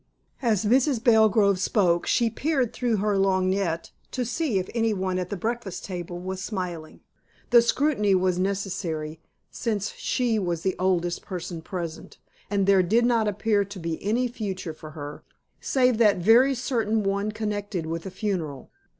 As Mrs. Belgrove spoke she peered through her lorgnette to see if anyone at the breakfast table was smiling. The scrutiny was necessary, since she was the oldest person present, and there did not appear to be any future for her, save that very certain one connected with a funeral.